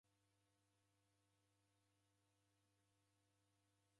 Ni malagho gha ki-nyumba.